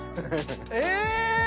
え！